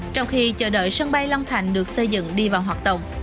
trong khi chờ đợi sân bay long thành được xây dựng đi vào hoạt động